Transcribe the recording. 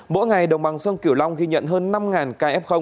mỗi ngày đồng bằng sông kiểu long ghi nhận hơn năm kf